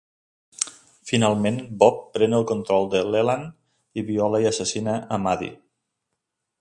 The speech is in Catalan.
Finalment, Bob pren el control de Leland i viola i assassina a Maddie.